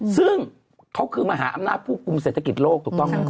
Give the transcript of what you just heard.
ซึ่งเขาคือมหาอำนาจผู้กลุ่มเศรษฐกิจโลก